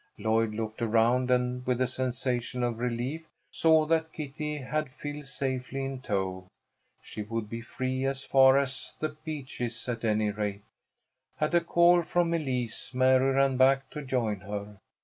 Lloyd looked around, and, with a sensation of relief, saw that Kitty had Phil safely in tow. She would be free as far as The Beeches, at any rate. At a call from Elise, Mary ran back to join her.